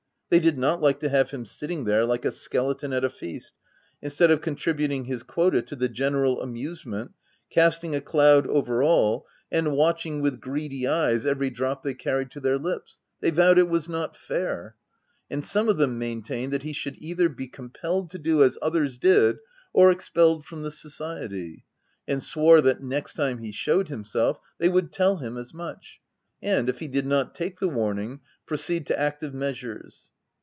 They did not like to have him sitting there like a skeleton at a feast, instead of con tributing his quota to the general amusement, casting a cloud over all, and watching, with OF WILDFELL HALL. 45 greedy eyes, every drop they carried to their lips, they vowed it was not fair ; and some of them maintained that he should either be compelled to do as others did or expelled from the society, and swore that, next time he shewed himself, they would tell him as much, and, if he did not take the warning, proceed to active measures.